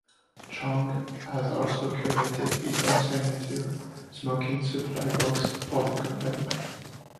Chong has also curated his own signature smoking supply box for the company.